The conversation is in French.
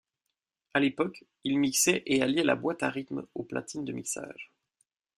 À l'époque, il mixait et alliait la boîte à rythmes aux platines de mixage.